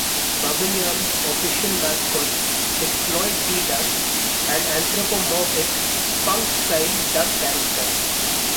Bubble Yum's official mascot is Floyd D. Duck, an anthropomorphic punk-style duck character.